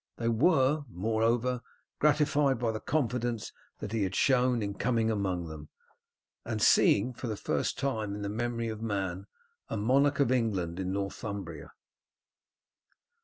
They were, moreover, gratified by the confidence that he had shown in coming among them, and in seeing for the first time in the memory of man a monarch of England in Northumbria.